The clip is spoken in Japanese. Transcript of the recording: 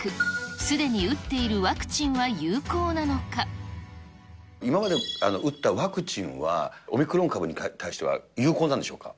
すでに打っているワクチンは有効今まで打ったワクチンは、オミクロン株に対しては有効なんでしょうか。